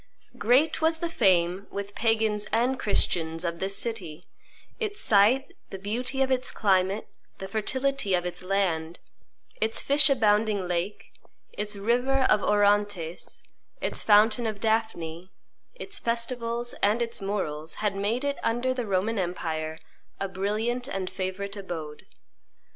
Great was the fame, with Pagans and Christians, of this city; its site, the beauty of its climate, the fertility of its land, its fish abounding lake, its river of Orontes, its fountain of Daphne, its festivals, and its morals, had made it, under the Roman empire, a brilliant and favorite abode.